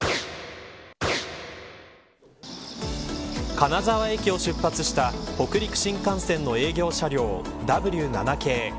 金沢駅を出発した北陸新幹線の営業車両Ｗ７系。